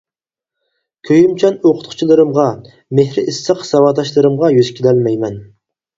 كۆيۈمچان ئوقۇتقۇچىلىرىمغا، مېھرى ئىسسىق ساۋاقداشلىرىمغا يۈز كېلەلمەيمەن.